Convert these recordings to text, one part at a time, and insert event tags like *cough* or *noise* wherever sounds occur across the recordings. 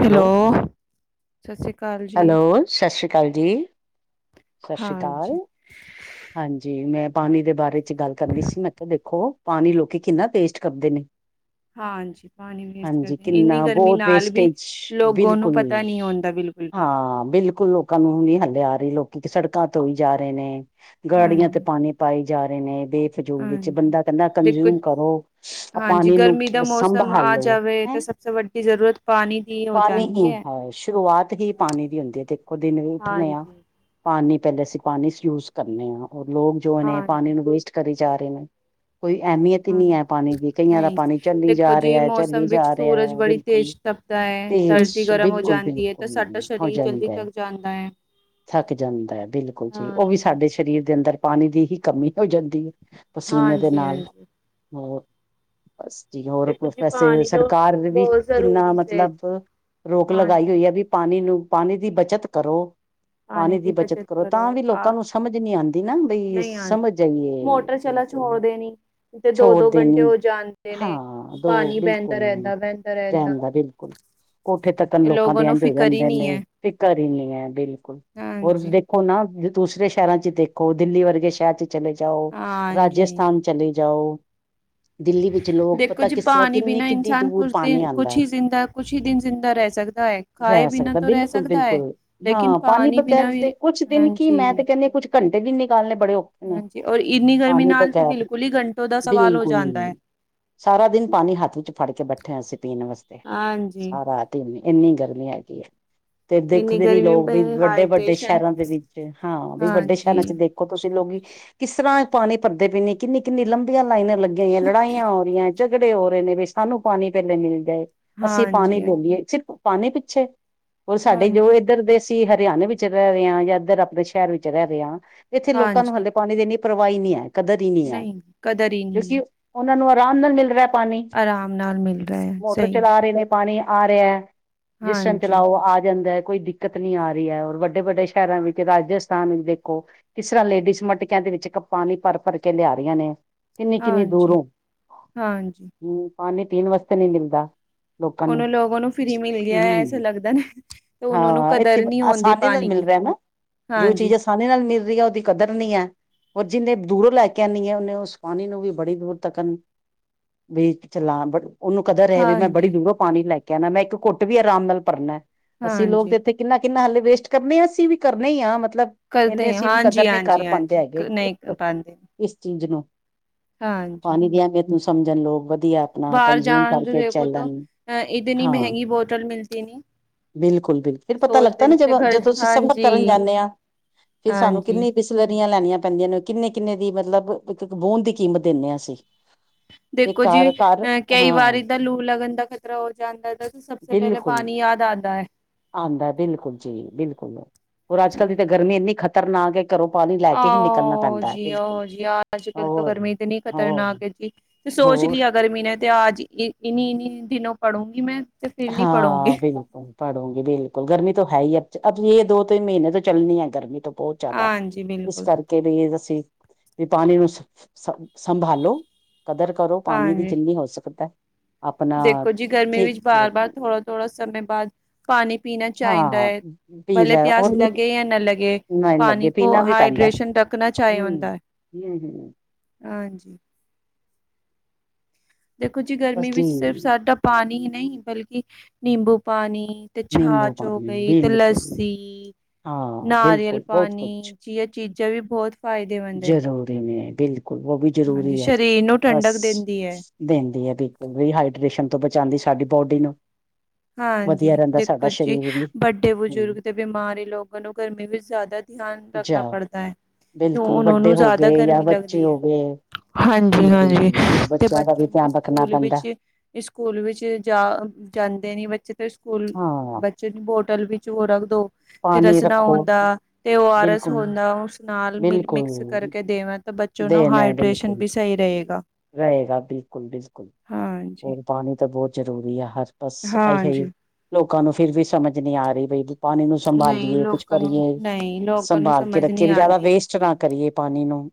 Hello ਸਸੀ ਕਾਲ hello ਸ਼ਸ਼੍ਰੀ ਕਾਲ ਜੀ। ਸਤਿ ਸ਼੍ਰੀ ਹਾਂ ਅਕਾਲ ਜੀ। ਹਾਂਜੀ, ਮੈਂ ਪਾਨੀ ਦੇ ਬਾਰੇ ਚ ਗੱਲ ਕਰਨੀ ਸੀ ਮੈਂ ਕੇਆ ਦੇਖੋ ਪਾਨੀ ਲੋਕੀ ਕਿੰਨਾ ਵੇਸਟ ਕਰਦੇ ਨੇ। ਹਾਂਜੀ, ਪਾਣੀ ਵੇਸਟ ਹਾਂਜੀ ਕਰਦੇ, ਇੰਨੀ ਕਿੰਨਾ, ਗਰਮੀ ਬੋਤ ਨਾਲ ਵੀ ਵੇਸਟੇਜ, ਲੋਗੋ ਨੂੰ ਬਿਲਕੁਲ। ਪਤਾ ਨਹੀਂ ਹੁੰਦਾ ਬਿਲਕੁਲ ਵੀ। ਹਾਂ, ਬਿਲਕੁਲ ਲੋਕਾਂ ਨੂੰ ਨਹੀ ਹੱਲੇ ਆ ਕਈ ਲੋਕੀ ਸੜਕਾ ਧੋਈ ਜਾ ਰਏ ਨੇ, ਗਾੜੀਆਂ ਤੇ ਹਾਂਜੀ, ਪਾਨੀ ਪਾਏ ਜਾ ਰਏ ਨੇ। ਬੇਫਜੂਲ ਵਿੱਚ ਹਾਂਜੀ। ਬੰਦਾ ਕੈਂਦਾ ਦੇਖੋ ਕੰਜਿਊਮ ਕਰੋ, ਹਾਂਜੀ, ਪਾਨੀ ਨੂੰ ਗਰਮੀ ਦਾ ਮੌਸਮ ਆ ਸੰਭਭਾਲੋ। ਜਾਵੇ ਤਾਂ ਸਭ ਸੇ ਵੱਡੀ ਜ਼ਰੂਰਤ ਪਾਣੀ ਦੀ ਹੋ ਪਾਨੀ ਹੀ ਜਾਂਦੀ ਹੈ ਸ਼ੁਰੂਆਤ ਹੀ ਪਾਨੀ ਦੀ ਹੁੰਦੀ ਏ ਦੇਖੋ ਦਿਨ ਵੀ ਹਾਂਜੀ। ਪਾਨੀ ਪੈਲੇ ਅਸੀ ਪਾਨੀ ਯੂਸਜ ਕਰਨੇ ਆ ਓਰ ਲੋਕ ਜੋ ਨੇ ਪਾਨੀ ਹਾਂਜੀ, ਨੂੰ ਵੇਸਟ ਕਰੀ ਜਾ ਰਏ ਨੇ। ਕੋਈ ਐਮੀਅਤ ਹੀ ਨਈ ਹਾਂਜੀ। ਹੈ ਪਾਨੀ ਦੀ, ਕਈਆ ਦਾ ਨਹੀਂ। ਪਾਨੀ ਚੱਲੀ ਦੇਖੋ ਜਾ ਜੀ, ਰਿਆ ਮੌਸਮ ਚੱਲੀ ਵਿੱਚ ਜਾ ਸੂਰਜ ਰਿਐ ਬੜੀ ਬਿਲਕੁਲ। ਤੇਜ਼ ਤਪਦਾ ਹੈ, ਤੇਜ ਧਰਤੀ ਗਰਮ ਹੋ ਬਿਲਕੁਲ ਜਾਂਦੀ ਹੈ। ਤਾਂ ਬਿਲਕੁਲ, ਸਾਡਾ ਹੋ ਸਰੀਰ ਜਲਦੀ ਜਾਂਦੈ। ਥੱਕ ਜਾਂਦਾ ਹੈ। ਥੱਕ ਜਾਂਦਾ ਐ ਬਿਲਕੁਲ ਜੀ, ਓ ਵੀ ਹਾਂਜੀ, ਸਾਡੇ ਸ਼ਰੀਰ ਦੇ ਅੰਦਰ ਪਾਨੀ ਦੀ ਹੀ ਕਮੀ ਹੋ ਜਾਂਦੀ ਏ। ਪਸੀਨੇ ਦੇ ਹਾਂਜੀ, ਨਾਲ, ਹਾਂਜੀ। ਹੋਰ। ਬਸ ਜੀ, ਹੋਰ ਦੇਖੋ ਪ੍ਰੋ ਜੀ ਵੈਸੇ ਪਾਣੀ ਤੋਂ ਸਰਕਾਰ ਨੇ ਵੀ ਬਹੁਤ ਕਿੰਨਾ ਜ਼ਰੂਰੀ ਸੇ ਮਤਲਬ ਰੋਕ ਲਗਾਈ ਹਾਂਜੀ ਹੋਈ ਹੈ ਵੀ ਪਾਣੀ ਨੂੰ ਪਾਣੀ ਦੀ ਬੱਚਤ ਕਰੋ। ਪਾਣੀ ਦੀ ਬੱਚਤ ਕਰੋ, ਤਾਂ ਵੀ ਲੋ ਲੋਕਾਂ ਨੂੰ ਸਮਝ ਨੀ ਆਂਦੀ ਨਾ, ਬਈ ਨਹੀਂ ਸਮਝ ਆਂਦੀ ਜਾਈਏ, ਮੋਟਰ ਚਲਾ ਬਿਲਕੁਲ। ਛੋੜ ਦੇਣੀ ਤੇ ਦੋ ਦੋ ਛੋੜਦੇ ਘੰਟੇ ਨੀ, ਹੋ ਜਾਂਦੇ ਨੇ ਹਾਂ ਦੋ ਪਾਣੀ ਬਹਿੰਦਾ ਬਿਲਕੁਲ, ਰਹਿੰਦਾ ਬਹਿੰਦਾ ਰਹਿੰਦਾ ਰਹਿਨ ਦਾ ਬਿਲਕੁਲ। ਕੋਠੇ ਤੱਕਣ ਤੇ ਲੋਕਾਂ ਲੋਗੋ ਦੇ ਨੂੰ ਏਂਝ ਹੋ ਫਿਕਰ ਹੀ ਜਾਂਦੇ ਨਹੀਂ ਨੇ, ਹੈ ਫਿਕਰ ਈ ਨੀ ਏ। ਬਿਲਕੁਲ, ਹੋਰ ਤੁਸੀਂ ਹਾਂਜੀ ਦੇਖੋ ਨਾ, ਦੂਸਰੇ ਸ਼ਹਿਰਾਂ ਇੱਚ ਦੇਖੋ, ਦਿੱਲੀ ਵਰਗੇ ਸ਼ਹਿਰ ਚ ਚਲੇ ਜਾਓ, ਹਾਂਜੀ ਰਾਜਸਥਾਨ ਚਲੇ ਜਾਓ ਦਿੱਲੀ ਵਿੱਚ ਲੋਕ ਦੇਖੋ ਪਤਾ ਜੀ ਕਿਸ ਤਰ੍ਹਾਂ, ਪਾਣੀ ਕਿੰਨੀ ਬਿਨਾਂ ਕਿਡੀ ਇਨਸਾਨ ਦੂਰ ਕੁਛ ਪਾਣੀ ਦਿਨ ਆਂਦਾ ਕੁਛ ਐ। ਹੀ ਜ਼ਿੰਦਾ ਕੁਛ ਹੀ ਦਿਨ ਜ਼ਿੰਦਾ ਰਹਿ ਸਕਦਾ ਹੈ ਖਾਏ ਰਹਿ ਬਿਨਾਂ ਸਕਦਾ, ਤੋਂ ਰਹਿ ਬਿਲਕੁਲ ਸਕਦਾ ਹੈ ਬਿਲਕੁਲ। ਲੇਕਿਨ ਹਾਂ, ਪਾਣੀ ਬਗੈਰ ਬਿਨਾਂ ਤੇ ਵੀ ਕੁਛ ਦਿਨ ਕੀ ਮੈਂ ਹਾਂਜੀ ਤੇ ਕਹਿੰਨੀ ਆਂ, ਕੁਛ ਘੰਟੇ ਵੀ ਨਿਕਾਲਨੇ ਬ ਬੜੇ ਔਖੇ ਨੇ, ਹਾਂਜੀ ਔਰ ਇੰਨੀ ਗਰਮੀ ਪਾਣੀ ਨਾਲ ਤਾਂ ਬਗੈਰ। ਬਿਲਕੁਲ ਹੀ ਘੰਟੋਂ ਦਾ ਸਵਾਲ ਹੋ ਬਿਲਕੁਲ। ਜਾਂਦਾ ਹੈ ਸਾਰਾ ਦਿਨ ਪਾਣੀ ਹੱਥ ਵਿੱਚ ਫੜ ਕੇ ਬੈਠੇ ਆ ਅਸੀਂ, ਪੀਣ ਵਸਤੇ। ਹਾਂਜੀ ਸਾਰਾ ਦਿਨ ਈ ਇੰਨੀ ਗਰਮੀ ਹੈਗੀ ਐ, ਤੇ ਇੰਨੀ ਦੇਖਦੇ ਨੀ ਗਰਮੀ ਪ ਲੋਕ ਵੀ ਵੱਡੇ ਵੱਡੇ ਹਾਈਡ੍ਰੇਸ਼ਨ ਸ਼ਹਿਰਾਂ ਦੇ ਵਿੱ ਤੇ ਹਾਂ ਵੀ ਵੱਡੇ ਹਾਂਜੀ ਸ਼ਹਿਰਾਂ ਚ ਦੇਖੋ ਤੁਸੀਂ ਲੋਗ ਈ ਕਿਸ ਤਰਾਂ ਪਾਨੀ ਭਰਦੇ ਪਏ ਨੇ, ਕਿੰਨੀ ਕਿੰਨੀ ਲੰਬੀਆਂ ਲਾਈਨਾ ਲੱਗੀਆ ਹੋਈਐ, ਲੜਾਈਆਂ ਹੋ ਰਈਐ ਝਗੜੇ ਹੋ ਰਏ ਨੇ ਬੀ ਸਾਨੂੰ ਪਾਨੀ ਪੈਲੇ ਮਿਲ ਜਏ, ਅਸੀਂ ਪਾਨੀ ਹਾਂਜੀ ਲੈ ਹਾਂਜੀ ਲਈਏ, ਸਿਰਫ ਪਾਣੀ ਪਿੱਛੇ। ਓਰ ਸਾਡੇ ਜੋ ਹਾਂਜੀ ਏਧਰ ਦੇ ਅਸੀ ਹਰਿਆਨੇ ਵਿੱਚ ਰੈ ਰਏ ਆ ਯਾ ਏਧਰ ਆਪਨੇ ਸ਼ੈਰ ਵਿੱਚ ਰੈ ਰਹੇ ਆ। ਇੱਥੇ ਲੋਕਾਂ ਨੂੰ ਹਾਂਜੀ ਹਲੇ ਪਾਣੀ ਦੀ ਇੰਨੀ ਪਰਵਾਹ ਈ ਨੀ ਏ, ਕਦਰ ਈ ਨੀ ਏ, ਨਹੀਂ ਕਦਰ ਹੀ ਨਹੀਂ ਹੈ ਕਿਉਂਕਿ ਉਹਨਾਂ ਨੂੰ ਆਰਾਮ ਨਾਲ ਮਿਲ ਰੇਹਾ ਪਾਣੀ। ਆਰਾਮ ਨਾਲ ਮਿਲ ਰਿਹਾ ਹੈ ਮੋਟਰ ਸਹੀ ਚਲਾ ਰਹੇ ਨੇ। ਪਾਣੀ ਆ ਰੇਆ, ਜਿਸ ਟਾਈਮ ਹਾਂਜੀ ਚਲਾਓ ਆ ਜਾਂਦਾ ਏ। ਕੋਈ ਦਿੱਕਤ ਨਈ ਆ ਹੀ ਏ, ਹੋਰ ਵੱਡੇ-ਵੱਡੇ ਸ਼ਹਿਰਾਂ ਵਿੱ ਰਾਜਸਥਾਨ ਇੱਚ ਦੇਖੋ, ਕਿਸ ਤਰ੍ਹਾਂ ਲੇਡੀਜ਼ ਮਟਕਿਆਂ ਦੇ ਵਿੱਚ ਕਪ ਪਾਣੀ ਭਰ-ਭਰ ਕੇ ਲਿਆ ਰਹੀਆਂ ਨੇ। ਕਿੰਨੀ-ਕਿੰਨੀ ਹਾਂਜੀ ਦੂਰੋਂ, ਹਾਂਜੀ ਹੂੰ, ਪਾਣੀ ਪੀਣ ਵਾਸਤੇ ਨੀ ਮਿਲਦਾ। ਲੋਕਾਂ ਨੂੰ, ਉਹਨਾਂ ਲੋਗੋ ਫ੍ਰੀ ਮਿਲ ਗਿਆ ਹੈ, ਐਸਾ ਹੂੰ, ਲੱਗਦਾ ਨਾ ਤੇ ਉਹਨਾਂ ਨੂੰ ਹਾਂ ਏਥੇ ਕਦਰ ਨਹੀਂ ਹੁੰਦੀ ਆਸਾਨੀ ਨਾਲ ਪਾਣੀ ਮਿਲ ਕੀ ਰੇਆ। ਹੇਨਾ, ਜੋ ਚੀਜ਼ ਹਾਂਜੀ ਆਸਾਨੀ ਨਾਲ ਮਿਲ ਰਈ ਏ, ਉਹਦੀ ਕਦਰ ਨੀ। ਏ। ਔਰ ਜਿੰਨੇ ਦੂਰੋਂ ਲੈ ਕੇ ਆਨੀ ਐ, ਓਨੇ ਉਸ ਪਾਣੀ ਨੂੰ ਵੀ ਬੜੀ ਦੂਰ ਤੱਕ ਨ ਬੀ ਚਲਾਂ ਬਟ ਉਹਨੂੰ ਕਦਰ ਹੈ ਵੀ ਮੈਂ ਹਾਂਜੀ ਬੜੀ ਦੂਰੋਂ ਪਾਣੀ ਲੈ ਕੇ ਆਣਾ, ਮੈਂ ਇੱਕ ਘੁੱਟ ਵੀ ਆਰਾਮ ਨਾਲ ਭਰਨਾ ਐ। ਅਸੀਂ ਲੋਕ ਹਾਂਜੀ ਤੇ ਇੱਥੇ ਕਿੰਨਾ ਕਿੰਨਾ ਹਾਲੇ ਵੇਸਟ ਕਰਨੇ ਆ ਅਸੀਂ ਵੀ ਕਰਨੇ ਈ ਆਂ ਮਤ ਲਬ ਇੰਨੇ ਕਰਦੇ ਅਸੀਂ ਵੀ ਹਾਂਜੀ ਕਦਰ ਨਹੀਂ ਕਰ ਹਾਂਜੀ ਪਾਂਦੇ ਹਾਂਜੀ ਹੈਗੇ, ਨਹੀਂ ਪਾਉਂਦੇ ਇਸ ਚੀਜ਼ ਨੂੰ ਹਾਂਜੀ। ਪਾਣੀ ਦੀ ਅਹਿਮੀਅਤ ਨੂੰ ਸਮਝਣ ਲੋਕ ਵਧ ਵੀ ਆਪਣਾ ਬਾਹਰ ਕੰਜਿਊਮ ਜਾਣ ਦੇ ਕਰਕੇ ਦੇਖੋ ਤਾਂ ਚੱਲਣ। ਅ ਇਤਨੀ ਹਾਂ। ਮਹਿੰਗੀ ਬੋਟਲ ਮਿਲਤੀ ਨੀ ਬਿਲਕੁਲ, ਬਿਲਕੁਲ। ਤੇ ਫਿਰ ਪਤਾ ਲੱਗਦਾ ਸੋਚਦੇ ਨਾ ਨੀ ਜਬ ਤੇ ਘਰ ਜਦੋਂ ਤੁਸੀਂ ਅਸੀਂ ਸਮ ਬਤ ਕਰਨ ਹਾਂਜੀ ਜਾਂਦੇ ਆਂ, ਫਿਰ ਸਾਨੂੰ ਹਾਂਜੀ ਕਿੰਨੀ ਬਿਸਲਰੀਆਂ ਲੈਣੀਆਂ ਪੈਂਦੀਆਂ ਨੇ। ਕਿੰਨੇ ਕਿੰਨੇ ਦੀ ਮਤਲਬ ਇੱਕ ਇੱਕ ਬੂੰਦ ਦੀ ਕੀਮਤ ਦਿੰਨੇ ਆਂ ਅਸੀਂ। ਤੇ ਦੇਖੋ ਜੀ, ਘਰ ਘਰ ਐ ਕਈ ਹਾਂ ਵਾਰੀ ਤਾਂ ਲੂ ਲੱਗਣ ਦਾ ਖ਼ਤਰਾ ਹੋ ਜਾਂਦਾ ਤਾ ਤੇ ਸਭਸੇ ਪਹਿਲੇ ਬਿਲਕੁਲ ਪਾਣੀ ਯਾਦ ਦਾ ਆਂਦਾ ਐ। ਆਉਂਦਾ ਏ, ਬਿਲਕੁਲ ਜੀ ਬਿਲਕੁਲ, ਹੋਰ ਅੱਜ ਕੱਲ ਦੀ ਤਾਂ ਗਰਮੀ ਇੰਨੀ ਖਤਰਨਾਕ ਏ ਆਹੋ ਜੀ, ਔ ਜੀ, ਅੱਜ ਕੱਲ ਤੋਂ ਹੋਰ ਗਰਮੀ ਇਤਨੀ ਹੋਰ ਖ਼ਤਰਨਾਕ ਹੈ ਜੀ। ਸੋਚ ਹੋਰ ਲਿਆ ਕਰ ਮੀਨੇ ਤੇ ਆਜ, ਈ ਇੰਨੀ-ਇੰਨੀ ਦਿਨੋ ਪੜੂੰਗੀ ਮੈਂ। ਤੇ ਫਿਰ ਨੀ ਪੜੂੰਗੀ ਹਾਂ ਬਿਲਕੁਲ, ਪੜੂਗੀ ਬਿਲਕੁਲ, ਗਰਮੀ ਤੋਂ ਹੈ ਹੀ ਏ, ਅਬ ਯੇ ਦੋ ਤਿੰਨ ਮਹੀਨੇ ਤੋਂ ਚੱਲਣੀ ਹੈ, ਗਰਮੀ ਤੋਂ। ਬੋਤ ਜਾਦਾ, ਹਾਂਜੀ ਇਸ ਬਿਲਕੁਲ ਕਰਕੇ *unintelligible* ਵੀ ਪਾਣੀ ਨੂੰ ਸ ਸੰਭਾਲੋ, ਕਦਰ ਕਰੋ ਪਾਣੀ ਦੀ, ਹਾਂਜੀ ਜਿੰਨੀ ਹੋ ਸਕਦਾ ਏ। ਦੇਖੋ ਜੀ ਗਰਮੀ ਵਿੱਚ ਬਾਰ-ਬਾਰ, ਥੋੜਾ-ਥੋੜਾ ਸਮੇਂ ਬਾਦ, ਪਾਣੀ ਪੀਣਾ ਚਾਈਦਾ ਹਾਂ ਏ, ਪੀ ਭਲੇ ਲੈ ਉਹ ਪਿਆਸ ਲੱਗੇ ਯਾ ਨਾ ਲੱਗੇ। ਨਹੀਂ ਲੱਗੇ ਪਾਣੀ ਕੋ ਪੀਣਾ ਵੀ ਪੈਂਦਾ ਹਾਏਡ੍ਰੇਸ਼ਨ ਡ ਕਣਾ ਚਾਏ ਹਮ ਹੁੰਦਾ ਏ। ਹਮ ਹਮ। ਹਾਂਜੀ। ਦੇਖੋ ਜੀ ਬਸ ਗਰਮੀ ਵਿੱਚ ਸਿਰਫ ਜੀ ਸਾਡਾ ਪਾਣੀ ਹੀ ਨਹੀਂ ਬਲਕਿ ਨਿੰਬੂ ਪਾਣੀ ਤੇ ਨਿੰਬੂ ਛਾਚ ਹੋ ਪਾਣੀ ਗਈ, ਤੇ ਬਿਲਕੁਲ ਲੱਸੀ ਹਾਂ ਨਾਰੀਅਲ ਬਿਲਕੁਲ ਬਹੁਤ ਕੁਛ ਪਾਣੀ, ਜੀਆਂ ਚੀਜ਼ਾਂ ਵੀ ਬਹੁਤ ਫਾਇਦੇਮੰਦ ਐ। ਜ਼ਰੂਰੀ ਨੇ ਬਿਲਕੁਲ ਉਹ ਵੀ ਹਾਂਜੀ ਸ਼ਰੀਰ ਨੂੰ ਠੰਡਕ ਦੇਂਦੀ ਐ। ਦੇਂਦੀ ਐ ਬਿਲਕੁਲ, ਰੀਹਾਈਡ੍ਰੇਸ਼ਨ ਤੋਂ ਬਚਾਂਦੀ ਸਾਡੀ ਬੋਡੀ ਨੂੰ। ਹਾਂਜੀ। ਵਧੀਆ ਜੀ ਰਹਿੰਦਾ ਦੇਖੋ ਸਾਡਾ ਜੀ, ਸਰੀਰ ਵੀ ਵੱਡੇ ਹਮ ਬਜ਼ੁਰਗ ਤੇ ਬਿਮਾਰੀ ਲੋਕਾਂ ਨੂੰ ਗਰਮੀ ਵਿੱਚ ਜ਼ਿਆਦਾ ਧਿਆਨ ਧਿਆਨ ਜਾ ਰੱਖਣਾ ਪੜਤਾ ਹੈ, ਕਿ ਬਿਲਕੁਲ ਉਹਨਾਂ ਨੂੰ ਵੱਡੇ ਹੋ ਜ਼ਿਆਦਾ ਗਏ ਜਾਂ ਗਰਮੀ ਬੱਚੇ ਲੱਗਦੀ ਹੋ ਹੈ। ਗਏ ਹਾਂਜੀ -ਹਾਂਜੀ, ਬਿਲਕੁਲ ਤੇ ਬੱਚਿਆਂ ਦਾ ਵੀ ਬੱਚੋਂ ਨੂੰ ਧਿਆਨ ਰੱਖਣਾ ਸਕੂਲ ਪੈਂਦਾ ਵਿੱਚ, ਸਕੂਲ ਵਿੱਚ ਜਾ ਜਾਂਦੇ ਨੀ, ਬੱਚੇ ਤੇ ਸਕੂਲ ਹਾਂ ਬੱਚੇ ਦੀ ਬੋਟਲ ਵਿੱਚ ਹੋਰ ਦੋ ਤੇ ਪਾਣੀ ਰਸਨਾ ਰੱਖੋ ਹੁੰਦਾ, ਤੇ ਉਹ ਓ -ਆਰ -ਐਸ, ਬਿਲਕੁਲ ਹੁੰਦਾ ਉਸ ਨਾਲ ਮਿਲ ਮਿਕਸ ਬਿਲਕੁਲ ਕਰਕੇ ਦੇਵਾਂ ਤਾਂ ਬੱਚੋ ਨੂੰ ਦੇਣ ਹੈ ਹਾਈਡਰੇੇਸ਼ਨ ਬਿਲਕੁਲ ਵੀ ਸਹੀ ਰਹੇਗਾ ਰਹੇਗਾ, ਬਿਲਕੁਲ -ਬਿਲਕੁਲ, ਹਾਂਜੀ ਹੋਰ ਪਾਣੀ ਤਾਂ ਬਹੁਤ ਜ਼ਰੂਰੀ ਆ, ਹਰ ਬਸ ਇਹ ਹਾਂਜੀ ਲੋਕਾਂ ਨੂੰ ਫਿਰ ਵੀ ਸਮਝ ਨਹੀਂ ਆ ਰਹੀ ਬਈ ਪਾਣੀ ਨੂੰ ਨਹੀਂ ਸੰਭਾਲੀਏ, ਕੁਛ ਲੋਕਾਂ ਨੂੰ ਕਰੀਏ, ਨਹੀਂ ਲੋਕਾਂ ਨੂੰ ਸੰਭਾਲ ਕੇ ਸਮਝ ਰੱਖੀਏ ਨਹੀਂ ਵੀ ਜ਼ਿਆਦਾ ਆਉਂਦੀ ਵੇਸਟ ਨਾ ਕਰੀਏ ਪਾਣੀ ਨੂੰ।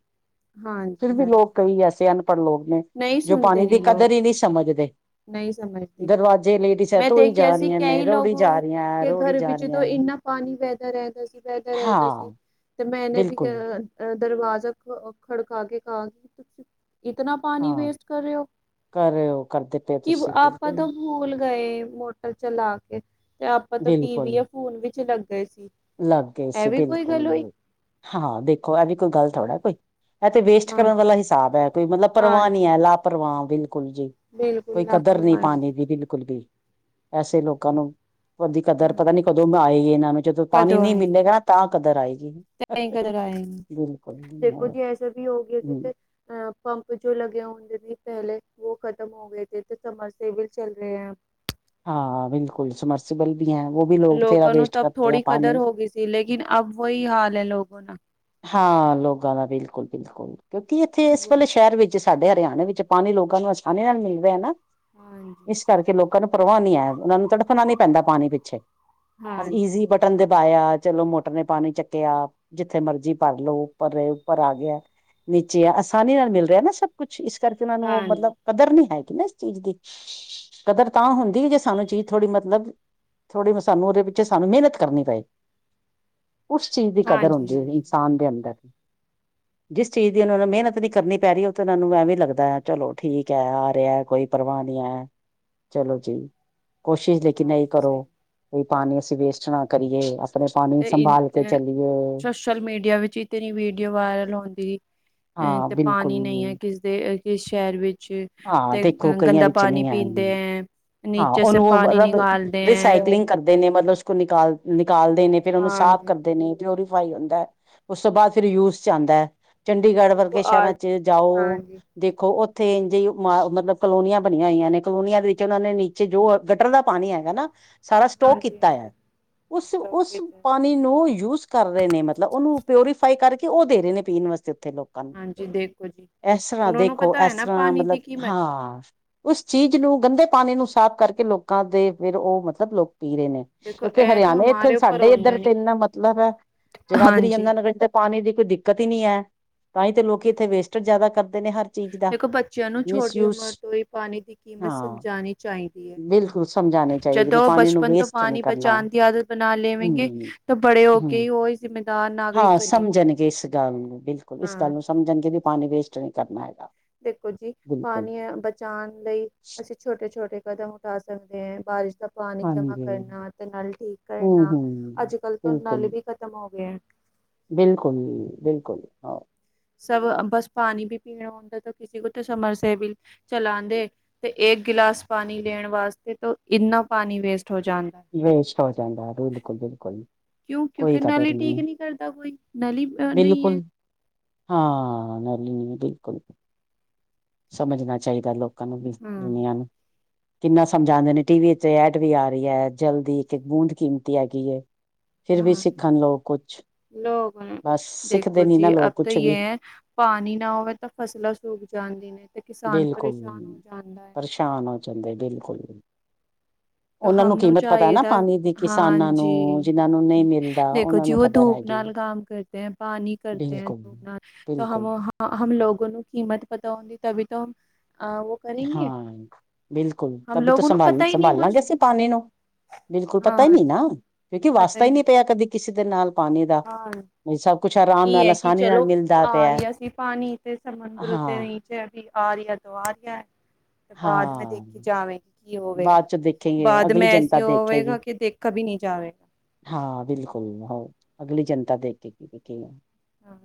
ਫਿਰ ਹਾਂਜੀ ਵੀ ਹਾਂਜੀ ਲੋਕ ਕਈ ਐਸੇ ਹਨ ਪੜ ਲੋਕ ਨੇ, ਨਹੀਂ ਜੋ ਪਾਣੀ ਸੁਣਦੇ ਦੀ ਨੀ ਲੋਕ ਕਦਰ ਈ ਨੀ ਸਮਝਦੇ। ਨਹੀਂ ਸਮਝਦੇ ਦਰਵਾਜ਼ੇ ਲੇਡੀਜ਼ ਐ, ਮੈਂ ਧੋਈ ਦੇਖਿਆ ਜਾ ਸੀ ਰੀਆਂ ਨੇ, ਕਈ ਲੋਕ ਰੋੜੀ ਜਾ ਰੀਆਂ ਐ, ਕੇ ਰੋੜੀ ਘਰ ਜਾ ਵਿੱਚ ਤੋਂ ਰੀਆਂ ਐ। ਇੰਨਾ ਪਾਣੀ ਵਹਿਦਾ ਰਹਿੰਦਾ ਸੀ, ਵਹਿਦਾ ਰਹਿੰਦਾ ਸੀ ਤੇ ਮੈਂਨੇ ਵੀ ਬਿਲਕੁਲ ਅ ਦਰਵਾਜ਼ਾ ਦ-ਅ-ਕ-ਖੜਕਾ ਕੇ ਆ, ਤੁਸੀ ਇਤਨਾ ਪਾਣੀ ਵੇਸਟ ਕਰ ਰਹੇ ਓ। ਓ ਕਰਦੇ ਤ ਕਿ ਆਪਾਂ, ਤਾਂ ਭੂਲ ਗਏ ਮੋਟਰ ਚਲਾ ਕੇ, ਤੇ ਆਪਾਂ ਤੋਂ ਟੀਵੀ ਬਿਲਕੁਲ ਜਾਂ ਫੋਨ ਵਿੱਚ ਲੱਗੇ ਲੱਗ ਗਏ ਸੀ, ਹੋਈ ਬਿਲਕੁਲ ਹਾਂ ਦੇਖੋ, ਇਹ ਵੀ ਕੋਈ ਗੱਲ ਥੋੜ੍ਹਾ ਕੋਈ। ਇਹ ਤੇ ਵੇਸਟ ਕਰਨ ਹਾਂਜੀ ਵਾਲਾ ਹਿਸਾਬ ਹੈ, ਕੋਈ ਮਤਲਬ ਪਰਵਾਹ ਨੀ ਹਾਂਜੀ ਹੈ, ਲਾਪਰਵਾਹ ਬਿਲਕੁਲ ਜੀ, ਬਿਲਕੁਲ ਕੋਈ ਕਦਰ ਨਹੀਂ ਲਾਪਰਵਾਹੀ ਪਾਣੀ ਜੀ ਦੀ, ਬਿਲਕੁਲ ਵੀ ਐਸੇ ਲੋਕਾਂ ਨੂੰ ਉਹਦੀ ਕਦਰ ਪਤਾ ਹਾਂਜੀ ਨੀ, ਕਦੋਂ ਦੀ ਆਏਗੀ ਇਹਨਾਂ ਨੂੰ ਜਦੋਂ ਪਾਣੀ ਕਦੋਂ ਨਹੀਂ ਆਏਗੇ ਮਿਲੇਗਾ, ਤਾਂ ਕਦਰ ਆਏਗੀ, ਕਈ ਕਦਰ ਆਏਗੇ ਬਿਲਕੁਲ ਤੇ ਆਹ ਪੰਪ ਜੋ ਲੱਗੇ ਹੋ *unintelligible* ਹਾਂ ਬਿਲਕੁਲ, ਸਮਰਸੀਬਲ ਵੀ ਹੈ ਉਹ ਵੀ ਲੋਕ ਬਥੇਰਾ ਲੋਕਾਂ ਨੂੰ ਵੇਸਟ ਤਾਂ ਕਰਤੇ ਹੈ ਥੋੜ੍ਹੀ ਕਦਰ ਪਾਣੀ ਹੋ ਗਈ ਸੀ, ਲੇਕਿਨ ਅਬ ਵੋਹੀ ਹਾਲ ਹੈ ਲੋਗੋੰ ਨਾ ਹਾਂ, ਲੋਕਾਂ ਦਾ ਬਿਲਕੁਲ -ਬਿਲਕੁਲ, ਕਿਉਂਕਿ ਇੱਥੇ ਇਸ ਵੇਲੇ ਸ਼ਹਿਰ ਵਿੱਚ ਸਾਡੇ ਹਰਿਆਣੇ ਵਿੱਚ, ਪਾਣੀ ਲੋਕਾਂ ਨੂੰ ਆਸਾਨੀ ਨਾਲ ਮਿਲ ਰਿਹਾ ਹੈ ਨਾ, ਇਸ ਕਰਕੇ ਲੋਕਾਂ ਨੂੰ ਪ੍ਰਵਾਹ ਨੀ ਹੈ, ਉਹਨਾ ਨੂੰ ਤੜਫਣਾ ਨੀ ਪੈਂਦਾ ਪਾਣੀ ਪਿੱਛੇ, ਬਸ ਜੀ ਈਜ਼ੀ ਬਟਨ ਦੇ ਪਾਇਆ, ਚਲੋ ਮੋਟਰ ਨੇ ਪਾਣੀ ਚੱਕਿਆ ਜਿੱਥ ਜਿੱਥੇ ਮਰਜ਼ੀ ਭਰ ਲੋ ਉੱਪਰ ਰਹੇ, ਉੱਪਰ ਆ ਗਿਆ ਨੀਚੇ ਆ ਆਸਾਨੀ ਨਾਲ ਮਿਲ ਰਿਹਾ ਨਾ ਸਭ ਕੁੱਛ ਇਸ ਕਰਕੇ, ਉਹਨਾਂ ਨੂੰ ਉਹ ਮਤਲਬ ਕਦਰ ਨਹੀਂ ਹੈਗੀ ਨਾ ਇਸ ਚੀਜ਼ ਦੀ ਕਦਰ ਤਾਂ ਹੁੰਦੀ, ਜੇ ਸਾਨੂੰ ਚੀਜ਼ ਥੋੜ੍ਹੀ ਮਤਲਬ ਥੋੜ੍ਹੀ ਸਾਨੂੰ ਉਹਦੇ ਪਿੱਛੇ ਸਾਨੂੰ ਮਿਹਨਤ ਕਰਨੀ ਪਏ ਉਸ ਚੀਜ਼ ਦੀ ਹਾਂ ਕਦਰ ਜੀ ਹੁੰਦੀ ਹਾਂ ਹੈ, ਜੀ ਇਨਸਾਨ ਦੇ ਅੰਦਰ। ਜਿਸ ਚੀਜ਼ ਉਹ ਨੂੰ ਹਾਂ ਮਹਨਤ ਨਹੀਂ ਜੀ ਹਾਂ ਜੀ ਕਰਨੀ ਪੈ ਰਹੀ ਉਹ ਇਹਨਾਂ ਨੂੰ ਐਵੇਂ ਲੱਗਦਾ ਹੈ, ਚਲੋ ਠੀਕ ਹੈ ਆ ਰਿਹਾ ਕੋਈ ਪਰਵਾਹ ਨਹੀਂ ਹੈ। ਚਲੋ ਜੀ, ਕੋਸ਼ਿਸ਼ ਲੇਕਿਨ ਹਾਂ ਇਹ ਜੀ ਸਹੀ ਕਰੋ ਕੋਈ ਪਾਣੀ ਅਸੀਂ ਵੇਸਟ ਨਾ ਕਰੀਏ ਆਪਣੇ, ਪਾਣੀ ਤੇ ਇਨ- ਸੰਭਾਲ ਕੇ ਅ, ਚਲੀਏ ਸੋਸ਼ਲ ਮੀਡੀਆ ਵਿਚ ਇਤਨੀ ਵੀਡੀਓ ਵਾਇਰਲ ਹੁੰਦੀ ਅ ਹਾਂ ਤੇ ਬਿਲਕੁਲ ਪਾਣੀ ਨਹੀਂ ਹੈ, ਕਿਸਦੇ ਕਿਸ ਸ਼ਹਿਰ ਵਿੱਚ ਹਾਂ ਤੇ ਦੇਖੋ ਕਈਆਂ ਗੰਦਾ ਵਿੱਚ ਪਾਣੀ ਨਹੀਂ ਪੀਂ ਤੇ ਹੈਗੀ ਹਾਂ, ਉਹਨੂੰ ਉਹ ਮਤਲਬ ਰਿਸਾਈਕਲਿੰਗ ਕਰਦੇ ਨੇ ਮਤਲਬ ਕੁ ਨਿਕਾਲ ਨਿਕਾਲਦੇ ਨੇ, ਫ਼ਿਰ ਉਹਨੂੰ ਸਾਫ਼ ਹਾਂਜੀ। ਕਰਦੇ ਨੇ ਪਿਓਰੀਫਾਈ ਹੁੰਦਾ ਹੈ। ਉਸ ਤੋਂ ਬਾਅਦ ਫਿਰ ਯੂਸ ਚ ਹਾਂਜੀ। ਆਉਂਦਾ ਹੈ। ਚੰਡੀਗੜ੍ਹ ਦੇਖੋ ਵਰਗੇ ਸ਼ਹਿਰਾਂ ਆਜ ਚ ਜਾਓ ਹਾਂਜੀ। ਦੇਖੋ ਤੇ ਇੰਜ ਮਤਲਬ ਕਲੋਨੀਆਂ ਬਣੀਆਂ ਹੋਈਆਂ ਨੇ ਕਲੋਨੀਆਂ ਦੇ ਵਿੱਚ ਉਨਾ ਨੇ ਨੀਚੇ ਜੋ ਗਟਰ ਦਾ ਪਾਣੀ ਹੈਗਾ ਨਾ ਸਾਰਾ ਸਟੋਕ ਕੀਤਾ ਹਾਂਜੀ-ਹਾਂਜੀ, ਹੈ ਉਸ ਇਸ ਉਸ ਟੋਪਿਕ ਤੇ ਪਾਣੀ ਨੂੰ ਯੂਜ ਕਰ ਰਹੇ ਨੇ ਮਤਲਬ ਉਹਨੂੰ ਪਿਓਰੀਫਾਈ ਕਰਕੇ ਉਹ ਦੇ ਰਹੇ ਨੇ ਪੀਣ ਵਾਸਤੇ ਉੱਥੇ ਲੋਕਾਂ ਨੂੰ ਹਾਂਜੀ ਦੇਖੋ ਇਸ ਤਰ੍ਹਾਂ ਉਹਨਾਂ ਨੂੰ ਦੇਖੋ ਪਤਾ ਇਸ ਹੈ ਨਾ ਤਰ੍ਹਾਂ ਪਾਣੀ ਮਤਲਬ ਦੀ ਕੀਮਤ। ਹਾਂ ਉਸ ਚੀਜ਼ ਨੂੰ ਗੰਦੇ ਪਾਣੀ ਨੂੰ ਸਾਫ਼ ਕਰਕੇ ਲੋਕਾਂ ਦੇ ਫਿਰ ਉਹ ਮਤਲਬ ਲੋਕ ਪੀ ਰਹੇ ਨੇ। ਦੇਖੋ ਉੱਥੇ ਇਹ ਤਾਂ ਹਰਿਆਣੇ ਇੱਥੇ ਹਮਾਰੇ ਉੱਪਰ ਸਾਡੇ ਆਉਂਦਾ ਇੱਧਰ ਤੇ ਨੀ। ਇੰਨਾ ਮਤਲਬ ਹੈ। ਜਗਾਧਰੀ ਹਾਂਜੀ। ਯਮੁਨਾ ਨਗਰ ਤੇ ਪਾਣੀ ਦੀ ਕੋਈ ਦਿੱਕਤ ਹੀ ਨਹੀਂ ਹੈ। ਤਾਂ ਹੀ ਤੇ ਲੋਕੀ ਇੱਥੇ ਵੇਸਟੇਜ ਜ਼ਿਆਦਾ ਕਰਦੇ ਨੇ ਹਰ ਚੀਜ਼ ਦਾ ਦੇਖੋ ਬੱਚਿਆਂ ਨੂੰ ਛੋਟੀ ਮਿਸਯੂਜ ਉਮਰ ਤੋਂ ਹੀ ਪਾਣੀ ਦੀ ਕੀਮਤ ਸਮਝਾ ਹਾਂ ਜਾਣੀ ਚਾਹੀਦੀ ਹੈ। ਬਿਲਕੁਲ ਸਮਝਾਉਣੇ ਚਾਹੀਦੇ ਵੀ ਜਦੋਂ ਉਹ ਪਾਣੀ ਨੂੰ ਬਚਪਨ ਤੋਂ ਵੇਸਟ ਨਹੀਂ ਪਾਣੀ ਕਰਨਾ ਬਚਾਉਣ ਦੀ ਆਦਤ ਬਣਾ ਲਵੇਂਗੇ ਹਮ ਤਾਂ ਬੜੇ ਹੋ ਕੇ ਹਮ ਹੀ ਉਹ ਜ਼ਿੰਮੇਦਾਰ ਨਾਗਰਿਕ ਹਾਂ ਬਣੇਗੇ। ਸਮਝਣਗੇ ਇਸ ਗੱਲ ਨੂੰ ਬਿਲਕੁਲ ਇਸ ਗੱਲ ਨੂੰ ਹਾਂਜੀ। ਸਮਝਣਗੇ ਵੀ ਪਾਣੀ ਵੇਸਟ ਨਹੀਂ ਕਰਨਾ ਹੈਗਾ। ਦੇਖੋ ਜੀ, ਬਿਲਕੁਲ ਪਾਣੀ ਬਚਾਉਣ ਲਈ ਅਸੀਂ ਛੋਟੇ -ਛੋਟੇ, ਕਦਮ ਉਠਾ ਸਕਦੇ ਹੈ ਬਾਰਿਸ਼ ਦਾ ਪਾਣੀ ਜਮਾ ਹਾਂਜੀ ਕਰਨਾ ਤੇ ਨਲ ਠੀਕ ਹੂੰ ਕਰਨਾ, ਹੂੰ ਅੱਜ ਕੱਲ ਤੋਂ ਬਿਲਕੁਲ ਨਲ ਵੀ ਖ਼ਤਮ ਹੋ ਗਏ ਹੈ। ਬਿਲਕੁਲ ਜ-ਬਿਲਕੁਲ ਹਾਂ। ਸਭ ਬਸ ਪਾਣੀ ਵੀ ਪੀਣਾ ਹੁੰਦਾ, ਤਾਂ ਕਿਸੇ ਕੋ ਤਾਂ ਸਮਰਸਿਵਰ ਚਲਾਦੇ ਤੇ ਇਕ ਗਲਾਸ ਪਾਣੀ ਲੈਣ ਵਾਸਤੇ ਤੋਂ ਇੰਨਾ ਪਾਣੀ ਵੇਸਟ ਹੋ ਜਾਂਦਾ। ਵੇਸਟ ਹੋ ਜਾਂਦਾ ਹੈ ਬਿਲਕੁਲ। ਕਿਉਂ ਕੋਈ ਕਿਉਂਕਿ ਕਦਰ ਨਲੀ ਠੀਕ ਨਹੀਂ ਕਰਦਾ ਕੋਈ ਨਲੀ ਨਹੀਂ ਹੈ। ਬਿਲਕੁਲ ਹਾਂ ਨਲੀ ਬਿਲਕੁਲ ਸਮਝਣਾ ਚਾਹੀਦਾ ਲੋਕਾਂ ਨੂੰ ਵੀ ਦੁਨੀਆਂ ਨੂੰ ਕਿੰਨਾ ਸਮਝਾਉਂਦੇ ਨੇ ਟੀਵੀ ਤੇ ਐਡ ਵੀ ਆ ਰਹੀ ਹੈ ਜਲ ਦੀ ਇੱਕ- ਇੱਕ ਬੂੰਦ ਕੀਮਤੀ ਹੈਗੀ ਹੈ। ਫਿਰ ਵੀ ਸਿੱਖਣ ਲੋਕ ਕੁਛ। ਲੋਕ ਬਸ ਸਿੱਖਦੇ ਦੇਖੋ ਨੀ ਜੀ ਨਾ ਲੋਕ ਇਦਾਂ ਕੁਛ ਹੀ ਵੀ ਹੈ ਪਾਣੀ ਨਾ ਹੋਵੇ ਤਾਂ ਫਸਲਾਂ ਸੁਕ ਜਾਣਦੇ ਨੇ। ਬਿਲਕੁਲ ਪਰੇਸ਼ਾਨ ਹੋ ਜਾਂਦੇ ਬਿਲਕੁਲ। ਉਹਨਾਂ ਹਮ ਨੂੰ ਕੀਮਤ ਪਤਾ ਹੈ ਨਾ ਚਾਹੀਦਾ ਪਾਣੀ ਦੀ ਕਿਸਾਨਾਂ ਹਾਂਜੀ ਨੂੰ ਜਿਹਨਾਂ ਨੂੰ ਨਹੀਂ ਮਿਲਦਾ ਦੇਖੋ ਉਹਨਾਂ ਜੀ ਨੂੰ ਉਹ ਕਦਰ ਧੂਪ ਨੇ ਹੈਗੀ। ਨਾਲ ਕੰਮ ਕਰਦੇ ਹੈ ਪਾਣੀ ਕਰਦੇ ਹੈ ਬਿਲਕੁਲ, ਧੂਪ ਨਾਲ ਬਿਲਕੁਲ ਹਮ ਲੋਗ ਨੂੰ ਕੀਮਤ ਪਤਾ ਹਉਂਦੀ ਤਵੀ ਤੋ ਹਾਂ ਬਿਲਕੁਲ ਤਦੀ ਤੋ ਸੰਭਾਲ ਸੰਭਾਲਾਂਗੇ ਅਸੀਂ। ਪਾਣੀ ਨੂੰ ਬਿਲਕੁਲ ਪਤਾ ਹੀ ਨੀ ਨਾ ਕਿਉਂਕਿ ਵਾਸਤਾ ਹੀ ਨੀ ਪਿਆ ਕਦੀ ਕਿਸੇ ਦੇ ਨਾਲ ਪਾਣੀ ਦਾ। ਵੀ ਸਭ ਕੁਛ ਆਰਾਮ ਇਹ ਨਾਲ ਹੈ ਕਿ ਆਸਾਨੀ ਨਾਲ ਚਲੋ ਮਿਲਦਾ ਆ ਪਿਆ ਰਹੀ ਸੀਂ ਪਾਣੀ ਤੇ ਸਮੁੰਦਰ ਤੇ ਹਾਂ। ਨਹੀਂ ਆ ਰਿਹਾ ਤੋ ਆ ਰਿਹਾ। *unintelligible* ਬਾਅਦ ਮੈਂ ਦੇਖੀ ਜਾਵੇਗੀ ਕੀ ਹੋਵੇਗਾ ਬਾਅਦ ਚੋਂ ਦੇਖੇਗੇ ਬਾਅਦ ਅਗਲੀ ਮੈਂ ਜਨਤਾ ਐਸੀ ਹੋਵੇਗਾ ਦੇਖੇਗੀ ਕਿ ਦੇਖਾ ਵੀ ਨਹੀਂ ਜਾ ਜਾਵੇ। ਹਾਂ ਬਿਲਕੁਲ ਹੋ ਅਗਲੀ ਜਨਤਾ ਦੇਖ ਕੇ ਹ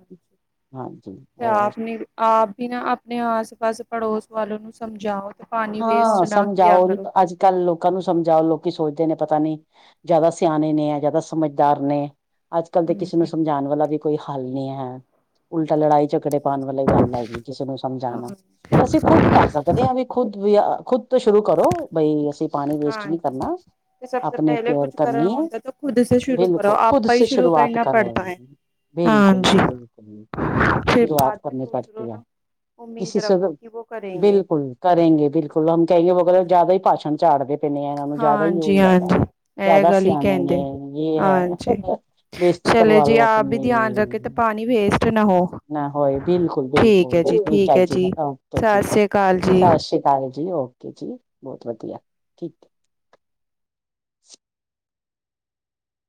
ਤੇ ਹੋਰ ਆਪ ਨੇ ਆਪ ਵੀ ਨਾ ਆਪਣੇ ਆਸ ਪਾਸ ਪੜੋਸ ਵਾਲੋ ਨੂੰ ਸਮਝਾਓ। ਤੇ ਪਾਣੀ ਵੇਸਟ ਹਾਂ ਨਾ ਕਿਆ ਸਮਝਾਓ ਕਰੋ ਅੱਜ ਕੱਲ੍ਹ ਲੋਕਾਂ ਨੂੰ ਸਮਝਾਓ ਲੋਕੀ ਸੋਚਦੇ ਨੇ ਪਤਾ ਨੀ ਜਿਆਦਾ ਸਿਆਣੇ ਨੇ ਜਿਆਦਾ ਸਮਝਦਾਰ ਨੇ ਅੱਜ ਕੱਲ ਦੇ ਕਿਸੇ ਹਾਂਜੀ ਨੂੰ ਸਮਝਾਉਣ ਵਾਲਾ ਵੀ ਕੋਈ ਹੱਲ ਨਹੀ ਹੈ ਉਲਟਾ ਲੜਾਈ ਝਗੜੇ ਪਾ ਵਾਲੀ ਗੱਲ ਹੈਗੀ ਕਿਸੇ ਨੂੰ ਹਾਂ ਸਮਝਾਉਣਾ ਵੀ ਖੁੱਦ ਕਰ ਸਕਦੇ ਹਾਂ ਵੀ ਤੁਸੀਂ ਖੁਦ ਤੋਂ ਸ਼ੁਰੂ ਕਰੋ ਬਈ ਅਸੀਂ ਪਾਣੀ ਵੇਸਟ ਨਹੀਂ ਕਰਨਾ। ਕਿ ਸਭ ਤੋਂ ਆਪਣੇ ਪਹਿਲੇ ਕੁਛ ਕੇਅਰ ਕਰਨਾ ਕਰਨੀ ਹੈ ਹੁੰਦਾ ਖੁਦੇ ਸ਼ੁਰੂ ਕਰੋ ਬਿਲਕੁਲ ਖੁਦ ਆਪਾਂ ਹੀ ਸੇ ਸ਼ੁਰੂ ਸ਼ੁਰੂਆਤ ਕਰਨਾ ਕਰੋ ਪੜਤਾ ਹੈ। ਬਿਲਕੁਲ ਹਾਂਜੀ ਬਿਲਕੁਲ ਫਿਰ ਸ਼ੁਰੂਆਤ ਬਾਅਦ ਮ ਕਰਨੀ ਦੂਸਰੋ ਪੜਤੀ ਹੈ ਨੁ ਉਮੀਦ ਰੱਖੋ ਕਿ ਵੋ ਕਰੇਂਗੇ। ਕਰੇਂਗੇ ਬਿਲਕੁਲ, ਹਮ ਕਹੇਂਗੇ ਵੋ *unintelligible* ਜਾਦਾ ਈ ਭਾਸ਼ਨ ਚਾੜਦੇ ਨੇ ਐਨਾਂ ਨੂੰ ਜਾਦਾ ਈ ਯੋ ਹਾਂਜੀ ਹੈਗਾ, ਹਾਂਜੀ ਇਹ ਜਾਦਾ ਗੱਲ ਹੀ ਸਿਆਨੇ ਨੇ ਕਹਿੰਦੇ ਯੇ ਹਾਂਜੀ ਹੈਂ, ਬੇਸ ਤੀ ਚਲੇ ਜੀ ਕਰਵਾਲੋ ਆਪ ਵੀ ਧਿਆਨ ਰੱਖੇ ਤੇ ਆਪਨੀ। ਪਾਣੀ ਵੇਸਟ ਨਾ ਹੋ। ਨਾ ਹੋਏ ਬਿਲਕੁਲ ਠੀਕ ਬਿਲਕੁਲ ਹੈ *unintelligible* ਜੀ, ਠੀਕ ਹੈ ਜੀ, ਓਕੇ ਜੀ, ਸਤਿ ਸ੍ਰੀ ਅਕਾਲ ਜੀ। ਸਸ਼ੀ ਕਾਲ ਜੀ। ਜੀ ਓਕੇ ਜੀ ਬੋਤ ਵਧੀਆ ਠੀਕ ਐ।